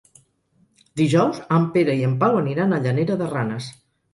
Dijous en Pere i en Pau aniran a Llanera de Ranes.